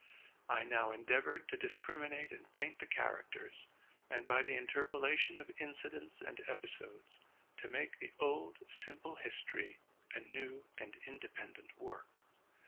I now endeavored to discriminate and paint the characters, and, by the interpolation of incidents and episodes, to make the old simple history a new and inde pendent work.